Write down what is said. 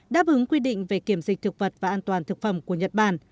đáp ứng quy định về kiểm dịch thực vật và an toàn thực phẩm của nhật bản